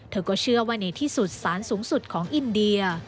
เธอก็เชื่อว่าในที่สุดสารสูงสุดของอินเดีย